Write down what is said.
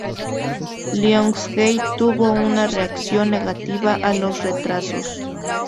Lionsgate tuvo una reacción negativa a los retrasos.